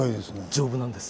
丈夫なんです。